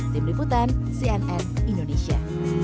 tim liputan cns indonesia